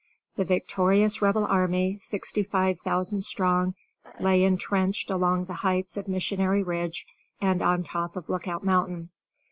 The victorious Rebel army, seventy five thousand strong, lay intrenched along the heights of Missionary Ridge and on top of Lookout Mountain.